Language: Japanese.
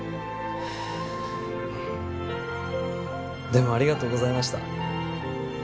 でもありがとうございました。